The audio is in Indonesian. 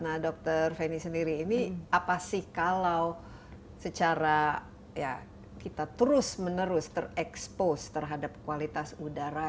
nah dr feni sendiri ini apa sih kalau secara ya kita terus menerus terekspos terhadap kualitas udara